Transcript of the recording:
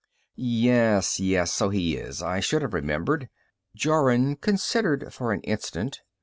"Yes, yes, so he is. I should have remembered." Jorun considered for an instant.